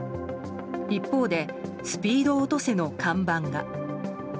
一方で「スピード落とせ」の看板が。